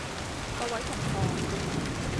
各位同學